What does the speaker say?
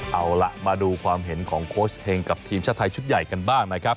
เอาล่ะมาดูความเห็นของโค้ชเฮงกับทีมชาติไทยชุดใหญ่กันบ้างนะครับ